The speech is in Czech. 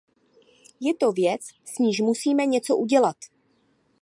Je to věc, s níž musíme něco udělat.